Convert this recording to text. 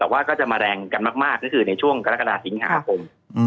มันก็จะมาแรงกันมากคือในช่วงกรรคกราชกระดาศิงหาครับผม